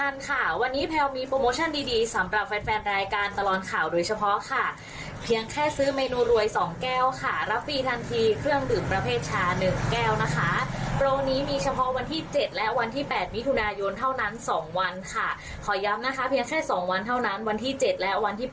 ๗๘น่ะรีบไปซื้อหากันราคาไม่แพง๒๐๖๕บาทเท่านั้นเอง